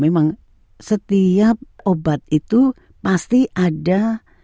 memang setiap obat itu pasti ada